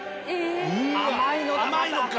甘いのだ！